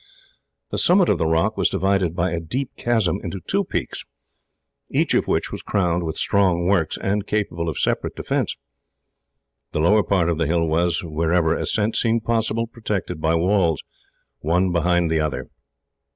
The summit of the rock was divided by a deep chasm into two peaks, each of which was crowned with strong works, and capable of separate defence. The lower part of the hill was, wherever ascent seemed possible, protected by walls, one behind the other.